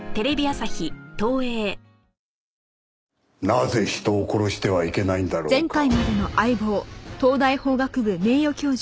なぜ人を殺してはいけないんだろうか？